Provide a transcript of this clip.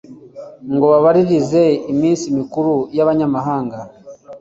ngo bubahirize iminsi mikuru y'abanyamahanga.